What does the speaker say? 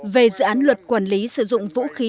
về dự án luật quản lý sử dụng vũ khí